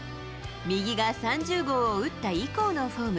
右が３０号を打った以降のフォーム。